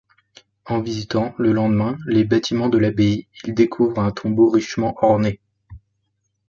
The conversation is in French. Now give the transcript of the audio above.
En visitant, le lendemain, les bâtiments de l'abbaye, ils découvrent un tombeau richement orné.